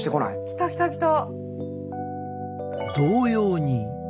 来た来た来た！